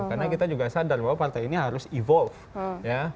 karena kita juga sadar bahwa partai ini harus evolve